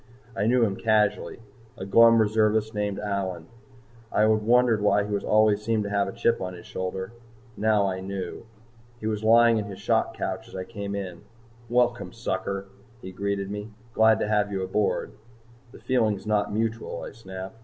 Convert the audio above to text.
I knew him casually, a glum reservist named Allyn. I had wondered why he always seemed to have a chip on his shoulder. Now I knew. He was lying in his shock couch as I came in. "Welcome, sucker," he greeted me. "Glad to have you aboard." "The feeling's not mutual," I snapped.